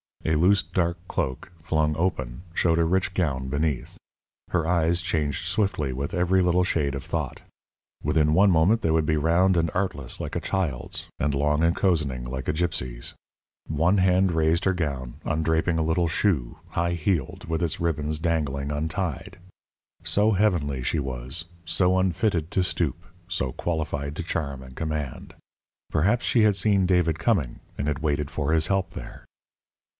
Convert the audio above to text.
A loose, dark cloak, flung open, showed a rich gown beneath. Her eyes changed swiftly with every little shade of thought. Within one moment they would be round and artless like a child's, and long and cozening like a gypsy's. One hand raised her gown, undraping a little shoe, high heeled, with its ribbons dangling, untied. So heavenly she was, so unfitted to stoop, so qualified to charm and command! Perhaps she had seen David coming, and had waited for his help there.